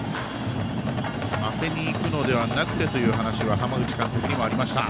当てにいくのではなくてという話は浜口監督にもありました。